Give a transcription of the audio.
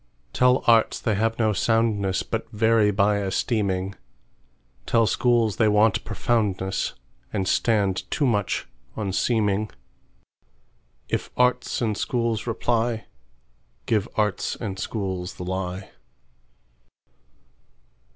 Tell arts they have no soundness, But vary by esteeming; Tell schools they want profoundness, And stand too much on seeming:If arts and schools reply, Give arts and schools the lie.